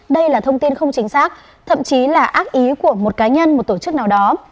đây là thông tin không chính xác thậm chí là ác ý của một cá nhân một tổ chức nào đó